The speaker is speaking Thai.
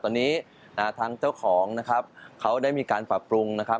ตอนนี้ทางเจ้าของนะครับเขาได้มีการปรับปรุงนะครับ